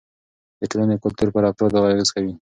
د ټولنې کلتور پر افرادو اغېز کوي.